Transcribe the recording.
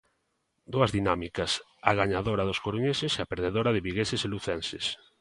Dúas dinámicas: a gañadora dos coruñeses e a perdedora de vigueses e lucenses.